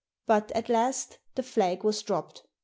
But, at last, the flag was dropped.